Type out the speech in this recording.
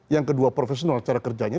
yang kedua profesional cara kerjanya